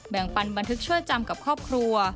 ปันบันทึกช่วยจำกับครอบครัว